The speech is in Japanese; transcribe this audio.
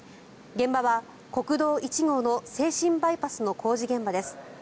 現場は国道１号の静清バイパスの工事現場です。